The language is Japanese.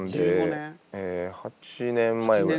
８年前ぐらい。